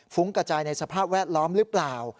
กระจายในสภาพแวดล้อมหรือเปล่า